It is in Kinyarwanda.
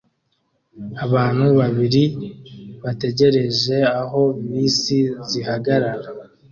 Abantu babiri bategereje aho bisi zihagarara